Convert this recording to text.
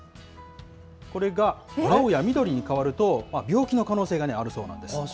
これが青や緑に変わると、病気の可能性があるそうなんです。